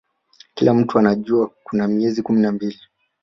Kila mtu anajua kuna miezi kumi na mbili